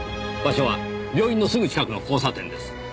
場所は病院のすぐ近くの交差点です。